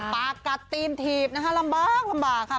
ปากกัดตีนถีบนะฮะลำบากค่ะ